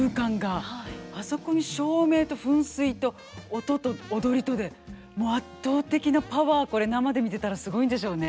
あそこに照明と噴水と音と踊りとでもう圧倒的なパワーこれ生で見てたらすごいんでしょうね。